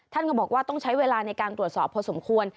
ท่านก็บอกว่าต้องใช้เวลาในการตรวจสอบพอสมควร